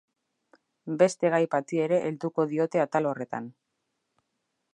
Beste gai bati ere helduko diote atal horretan.